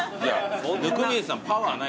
温水さんパワーないから。